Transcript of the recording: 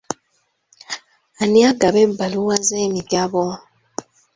Ani agaba ebbaluwa z'emigabo?